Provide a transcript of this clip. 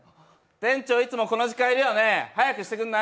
店長、いつもこの時間いるよね、早くしてくんない？